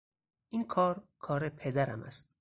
این کار کار پدرم است.